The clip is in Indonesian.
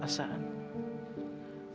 dari segala bencana dan keputus asaan